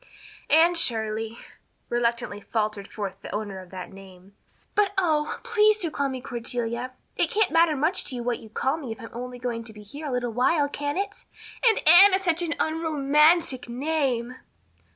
"Anne Shirley," reluctantly faltered forth the owner of that name, "but, oh, please do call me Cordelia. It can't matter much to you what you call me if I'm only going to be here a little while, can it? And Anne is such an unromantic name."